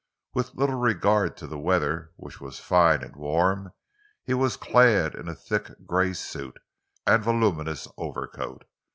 With little regard to the weather, which was fine and warm, he was clad in a thick grey suit and a voluminous overcoat.